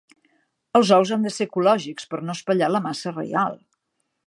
Els ous han de ser ecològics per no espatllar la massa reial.